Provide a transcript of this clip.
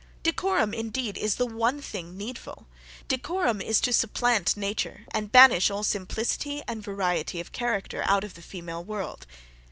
Decorum, indeed, is the one thing needful! decorum is to supplant nature, and banish all simplicity and variety of character out of the female world.